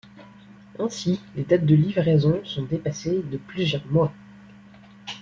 Ainsi les dates de livraison sont dépassées de plusieurs mois.